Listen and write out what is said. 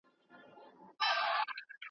په مابین کي د رنګینو اولادونو ,